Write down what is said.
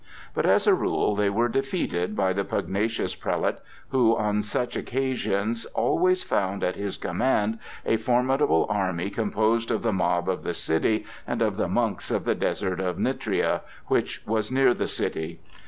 But, as a rule, they were defeated by the pugnacious prelate, who, on such occasions, always found at his command a formidable army composed of the mob of the city and of the monks of the desert of Nitria, which was near the city.